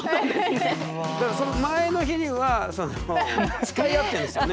だからその前の日にはその誓い合ってんですよね？